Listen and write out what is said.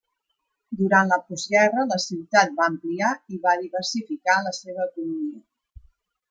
Durant la postguerra la ciutat va ampliar i va diversificar la seva economia.